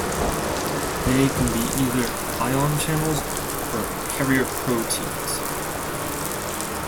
They can be either ion channels or carrier proteins.